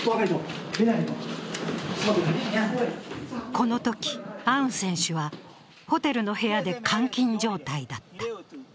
このとき、アウン選手はホテルの部屋で監禁状態だった。